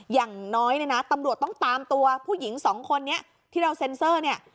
อย่างน้อยเนี่ยนะตำรวจต้องตามตัวผู้หญิงสองคนนี้ที่เราเซ็นเซอร์เนี่ย